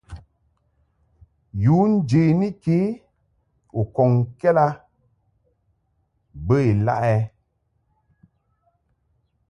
Yu njeni ke yi u kɔŋkɛd a bə ilaʼɛ ?